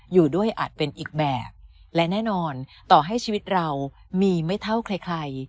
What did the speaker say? อยู่ด้วยอาจเป็นอีกแบบและแน่นอนต่อให้ชีวิตเรามีไม่เท่าใคร